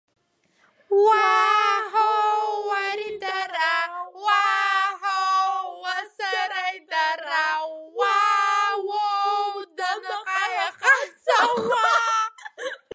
Уаа-ҳоу, уаридара, уаа-ҳоу, уасараидара, уаа-уоу, Данаҟаи ахаҵа, уаа!